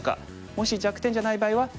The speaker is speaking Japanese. もし弱点じゃない場合は手を抜く。